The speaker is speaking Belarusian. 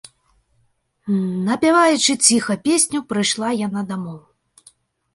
Напяваючы ціха песню, прыйшла яна дамоў.